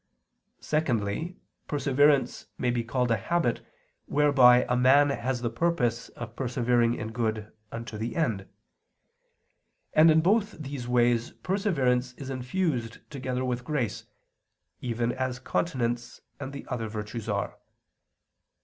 Secondly, perseverance may be called a habit, whereby a man has the purpose of persevering in good unto the end. And in both these ways perseverance is infused together with grace, even as continence and the other virtues are.